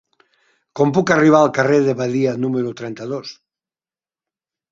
Com puc arribar al carrer de Badia número trenta-dos?